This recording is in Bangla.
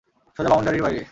সোজা বাউনডারিও বাইরে।